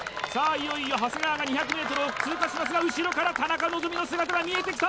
いよいよ長谷川が２００ｍを通過しますが後ろから田中希実の姿が見えてきた